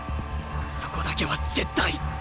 そこだけは絶対！